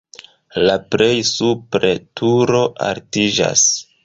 La plej supre turo altiĝas.